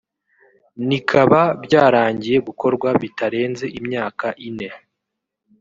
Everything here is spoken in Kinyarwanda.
nikaba byarangiye gukorwa bitarenze imyaka ine